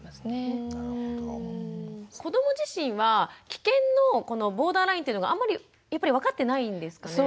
子ども自身は危険のこのボーダーラインっていうのがあんまりやっぱり分かってないんですかね？